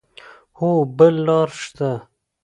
هو، بل لار شته